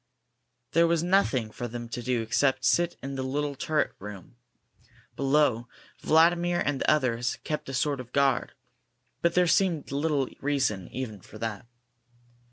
There was nothing for them to do except sit in the little turret room. Below, Vladimir and the others kept a sort of guard, but there seemed little reason even for that.